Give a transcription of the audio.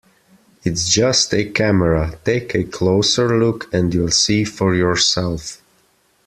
It's just a camera, take a closer look and you'll see for yourself.